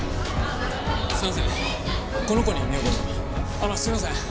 あのすいません。